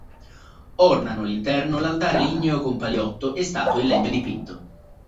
Ornano l'interno l'altare ligneo con paliotto e statue in legno dipinto.